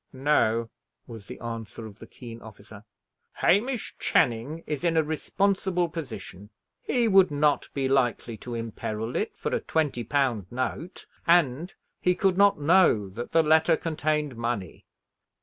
"No," was the answer of the keen officer. "Hamish Channing is in a responsible position; he would not be likely to emperil it for a twenty pound note; and he could not know that the letter contained money."